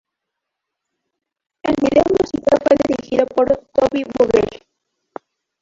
El video musical fue dirigido por Toby Vogel.